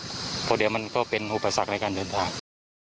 เพราะเดี๋ยวมันก็เป็นอุปสรรคในการเดินทาง